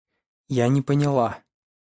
Я не поняла.